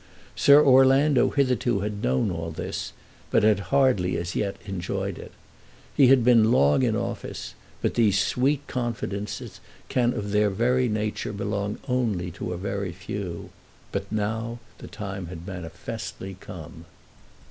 Sir Orlando hitherto had known all this, but had hardly as yet enjoyed it. He had been long in office, but these sweet confidences can of their very nature belong only to a very few. But now the time had manifestly come.